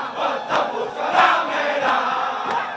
kota busa damai dan